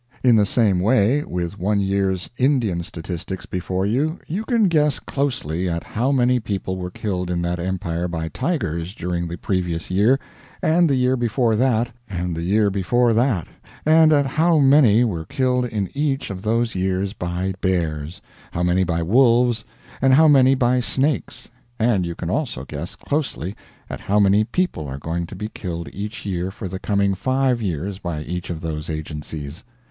In the same way, with one year's Indian statistics before you, you can guess closely at how many people were killed in that Empire by tigers during the previous year, and the year before that, and the year before that, and at how many were killed in each of those years by bears, how many by wolves, and how many by snakes; and you can also guess closely at how many people are going to be killed each year for the coming five years by each of those agencies.